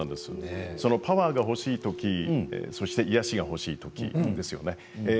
パワーが欲しいとき癒やしが欲しいときですよね。